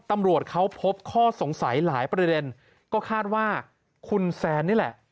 ตำรวจเขาพบข้อสงสัยหลายประเด็นก็คาดว่าคุณแซนนี่แหละ